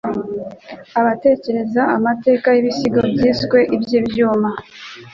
Abatekereza amateka y'ibisigo byiswe iby'ibyuma,